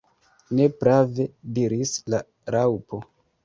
"Ne prave!" diris la Raŭpo.